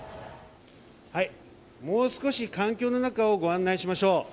もう少し艦橋の中をご案内しましょう。